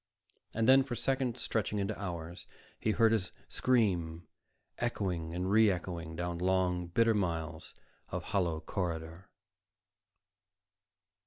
And then, for seconds stretching into hours, he heard his scream echoing and re echoing down long, bitter miles of hollow corridor.